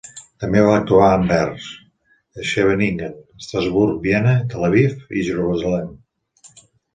També va actuar a Anvers, Scheveningen, Estrasburg, Viena, Tel Aviv, i Jerusalem.